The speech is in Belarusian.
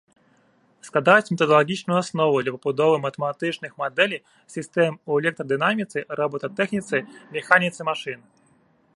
Складаюць метадалагічную аснову для пабудовы матэматычных мадэлей сістэм у электрадынаміцы, робататэхніцы, механіцы машын.